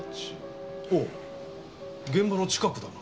おっ現場の近くだな。